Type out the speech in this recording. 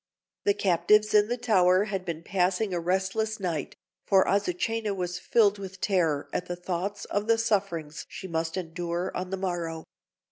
The captives in the tower had been passing a restless night, for Azucena was filled with terror at the thoughts of the sufferings she must endure on the morrow.